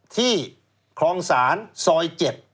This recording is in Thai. ที่คลองศาลซอย๗